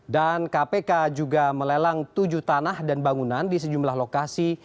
kpk juga melelang tujuh tanah dan bangunan di sejumlah lokasi